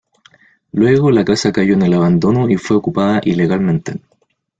Luego, la casa cayó en el abandono y fue ocupada ilegalmente.